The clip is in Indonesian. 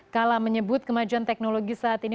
kala menyebut kemajuan teknologi saat ini